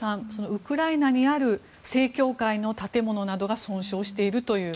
ウクライナにある正教会の建物などが損傷しているという。